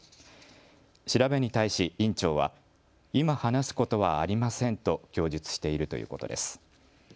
調べに対し院長は今話すことはありませんと供述しているということです。